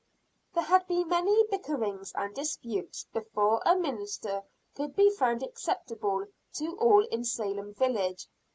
There had been many bickerings and disputes before a minister could be found acceptable to all in Salem village.